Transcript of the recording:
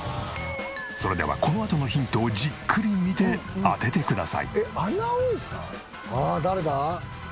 それではこのあとのヒントをじっくり見て当ててください。